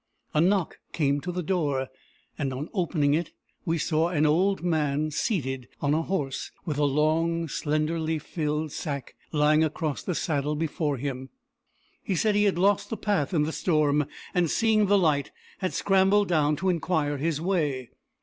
A knock came to the door, and, on opening it, we saw an old man seated on a horse, with a long slenderly filled sack lying across the saddle before him. He said he had lost the path in the storm, and, seeing the light, had scrambled down to inquire his way.